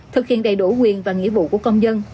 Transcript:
thực hiện đầy đủ quyền và nghĩa vụ của công dân